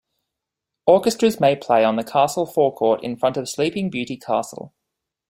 Orchestras may play on the castle forecourt in front of Sleeping Beauty Castle.